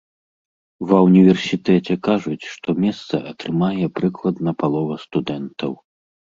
Ва ўніверсітэце кажуць, што месца атрымае прыкладна палова студэнтаў.